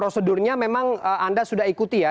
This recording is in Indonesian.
prosedurnya memang anda sudah ikuti ya